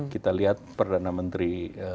kita lihat perdana menteri